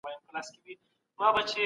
ایا ته په راتلونکي پوهیږې؟